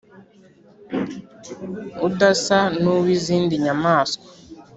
udasa n'uw'izindi nyamaswa